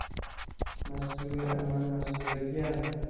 مەستوورە ئەمان مەستوورە گیان